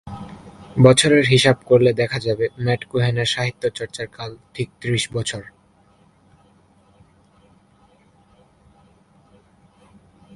বছরের হিসেব করলে দেখা যাবে ম্যাট কোহেনের সাহিত্য-চর্চার কাল ঠিক ত্রিশ বছর।